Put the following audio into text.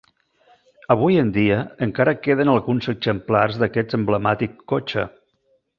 Avui en dia, encara queden alguns exemplars d'aquest emblemàtic cotxe.